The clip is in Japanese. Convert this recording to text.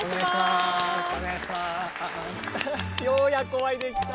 ようやくお会いできた。